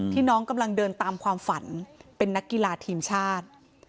น้องกำลังเดินตามความฝันเป็นนักกีฬาทีมชาติ